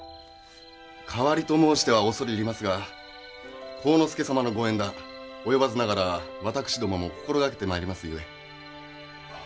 代わりと申しては恐れ入りますが晃之助様のご縁談及ばずながら私どもも心がけてまいります故。